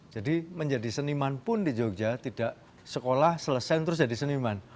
jadi menjadi seniman pun di jogja tidak sekolah selesai terus jadi seniman